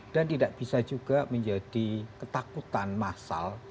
dan tidak bisa juga menjadi ketakutan masalah